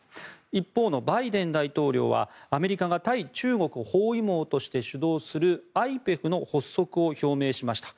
一方のバイデン大統領はアメリカが対中国包囲網として主導するＩＰＥＦの発足を表明しました。